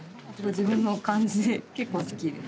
自分の漢字結構好きです。